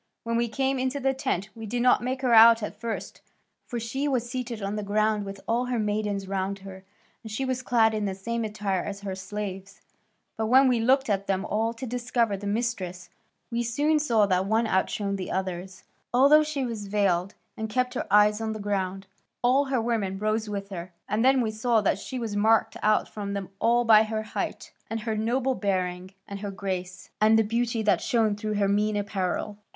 When we came into the tent, we did not make her out at first, for she was seated on the ground with all her maidens round her, and she was clad in the same attire as her slaves, but when we looked at them all to discover the mistress, we soon saw that one outshone the others, although she was veiled and kept her eyes on the ground. And when we bade her rise, all her women rose with her, and then we saw that she was marked out from them all by her height, and her noble bearing, and her grace, and the beauty that shone through her mean apparel.